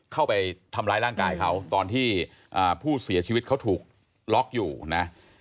เข้าไปทำร้ายร่างกายเขาตอนที่ผู้เสียชีวิตเขาถูกล็อกอยู่นะ